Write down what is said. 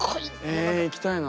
え行きたいな。